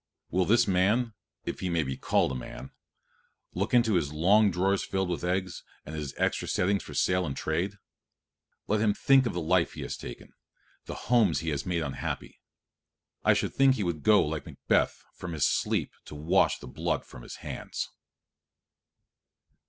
Will this man, if he may be called a man, look into his long drawers filled with eggs, and his extra settings for sale and trade? Let him think of the life he has taken, the homes he has made unhappy. I should think he would go like Macbeth from his sleep to wash the blood from his hands.